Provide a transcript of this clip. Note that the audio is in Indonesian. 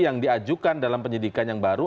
yang diajukan dalam penyidikan yang baru